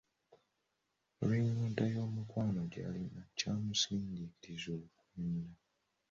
Olw'ennyonta y'omukwano gye yali alina, kyamusindiikiriza okwenda.